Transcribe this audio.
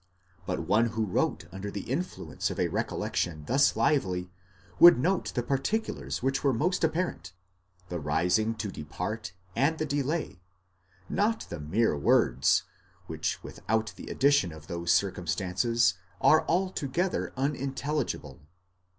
But one who wrote under the influence of a recollection thus lively, would note the particulars which were most apparent; the rising to depart and the delay,— not the mere words, which without the addition of those circumstances are altogether unintelligible.